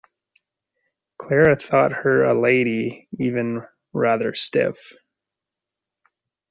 Clara thought her a lady, even rather stiff.